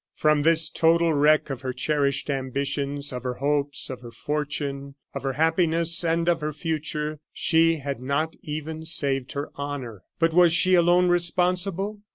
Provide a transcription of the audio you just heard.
From this total wreck of her cherished ambitions, of her hopes, of her fortune, of her happiness, and of her future, she had not even saved her honor. But was she alone responsible?